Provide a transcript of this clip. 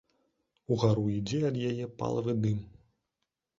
Угару ідзе ад яе палавы дым.